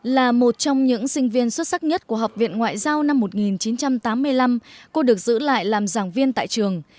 là một trong những sinh viên xuất sắc nhất của học viện ngoại giao năm một nghìn chín trăm tám mươi năm cô được giữ lại làm giảng viên tại trường